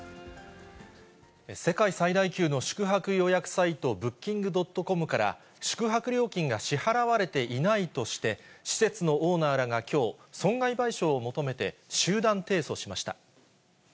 世界最大級の宿泊予約サイト、ブッキングドットコムから、宿泊料金が支払われていないとして、施設のオーナーらがきょう、損害賠償を求めて集団提訴しました。